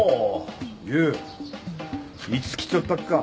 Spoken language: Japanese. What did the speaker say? ユウいつ来ちょったっか？